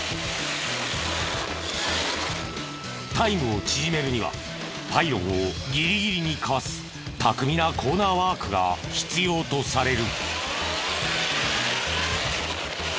タイムを縮めるにはパイロンをギリギリにかわす巧みなコーナーワークが必要とされる。